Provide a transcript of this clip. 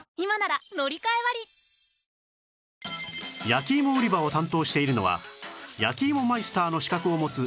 焼き芋売り場を担当しているのは焼き芋マイスターの資格を持つ